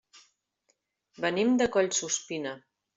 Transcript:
Venim de Collsuspina.